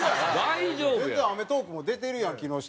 全然『アメトーーク』も出てるやん木下。